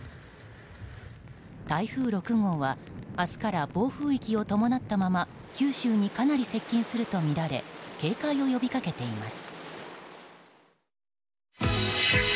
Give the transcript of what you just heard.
台風６号は明日から暴風域を伴ったまま九州にかなり接近するとみられ警戒を呼びかけています。